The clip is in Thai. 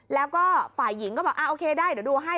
แล้วก็ฝ่ายหญิงก็บอกโอเคได้เดี๋ยวดูให้